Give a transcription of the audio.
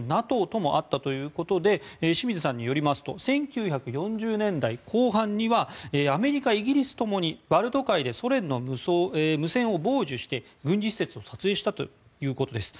ＮＡＴＯともあったということで清水さんによりますと１９４０年代後半にはアメリカ、イギリスともにバルト海でソ連の無線を傍受して軍事施設を撮影したということです。